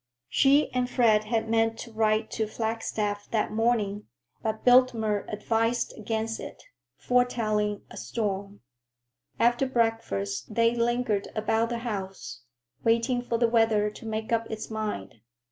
She and Fred had meant to ride to Flagstaff that morning, but Biltmer advised against it, foretelling a storm. After breakfast they lingered about the house, waiting for the weather to make up its mind.